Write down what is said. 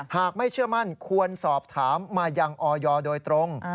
หากไม่เชื่อมั่นควรสอบถามมายังออยโดยตรง